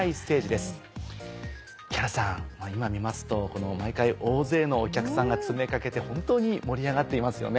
今見ますと毎回大勢のお客さんが詰め掛けて本当に盛り上がっていますよね。